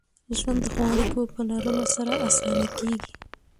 ژوند د ښو اړیکو په لرلو سره اسانه کېږي.